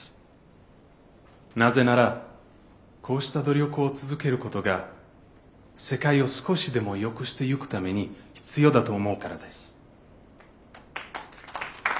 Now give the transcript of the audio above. なぜならこうした努力を続けることが世界を少しでもよくしてゆくために必要だと思うからです。